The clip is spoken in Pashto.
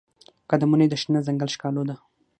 قدمونه یې د شنه ځنګل ښکالو ده